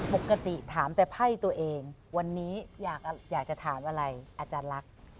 ปกติถามแต่ไพ่ตัวเองวันนี้อยากจะถามอะไรอาจารย์ลักษณ์